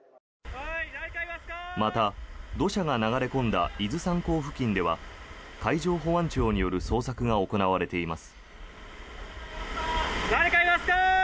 また、土砂が流れ込んだ伊豆山港付近では海上保安庁による捜索が行われています。